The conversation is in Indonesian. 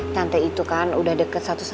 tante itu kan udah deket satu